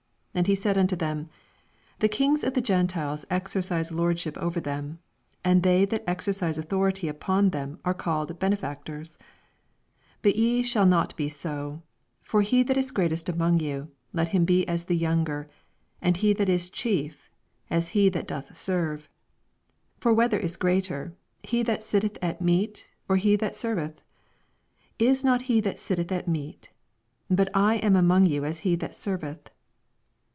25 And he said nnto them, The kings of the Gentiles exercise lordship over them ; and they that exercise authority upon them are called bene factors. 2(( Bub ye shaU not he so : but he that is greatest umou^ you, let him be as the vouuger ; and he that is chief, as he that doth serve. 27 For whether is greater, he that sitteth at meat, or he that servetht is not he that sitteth at meat f bat I am among you as he that serveth.